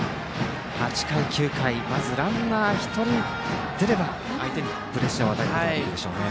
８回、９回まずランナーが１人出れば相手にプレッシャーを与えることができるでしょうね。